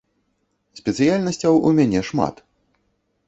Спецыяльнасцяў у мяне шмат.